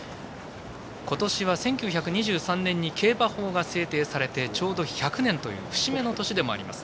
今年は１９２３年に競馬法が制定されてちょうど１００年という節目の年でもあります。